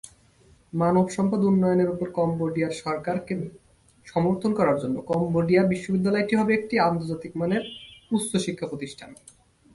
মানব সম্পদ উন্নয়নের উপর কম্বোডিয়ার সরকারকে সমর্থন করার জন্য কম্বোডিয়া বিশ্ববিদ্যালয়টি হবে একটি আন্তর্জাতিক মানের উচ্চ শিক্ষা প্রতিষ্ঠান।